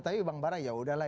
tapi bang bara yaudahlah